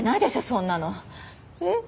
そんなの。えっ？